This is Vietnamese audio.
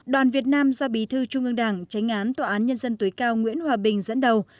đoàn việt nam do bí thư trung ương đảng tránh án tòa án nhân dân tối cao nguyễn hòa bình dẫn đầu